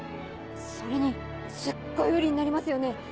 それにすっごい売りになりますよねね！